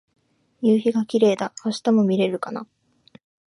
夕陽がキレイだ。明日も晴れるのかな。